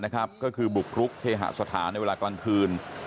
ก็คือบุกรุกเคหสถานในเวลากลางคืน